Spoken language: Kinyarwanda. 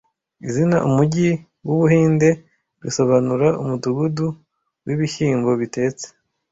Izina umujyi wu Buhinde risobanura Umudugudu wibishyimbo bitetse